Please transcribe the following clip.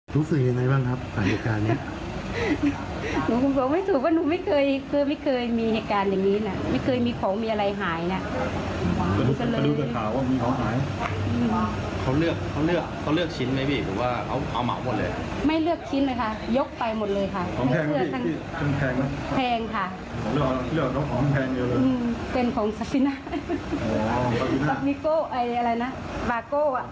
เป็นของศักดิ์สินาแบบมิโก้อะไรนะบาโก้